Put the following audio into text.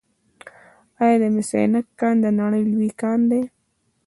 آیا د مس عینک کان د نړۍ لوی کان دی؟